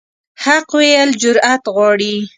حق ویل جرأت غواړي.